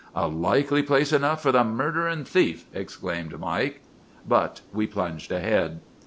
"'A likely place enough for the murderin' thief!' exclaimed Mike. "But we plunged ahead.